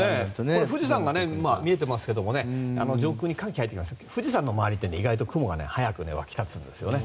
富士山が見えてますけど上空には寒気が入っていますが富士山の周りって意外と雲が早く沸き立つんですよね。